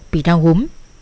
bị đau húm